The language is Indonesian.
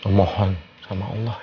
memohon sama allah ya